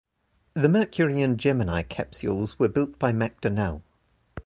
The Mercury and Gemini capsules were built by McDonnell.